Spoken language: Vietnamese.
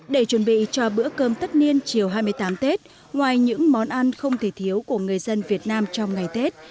để chuẩn bị cho bữa cơm tất niên chiều hai mươi tám tết ngoài những món ăn không thể thiếu của người dân việt nam trong ngày tết